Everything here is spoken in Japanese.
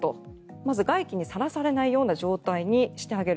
まず外気にさらされないような状態にしてあげる。